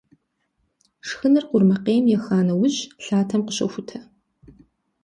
Шхыныр къурмакъейм еха нэужь, лъатэм къыщохутэ.